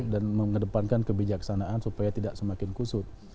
mengedepankan kebijaksanaan supaya tidak semakin kusut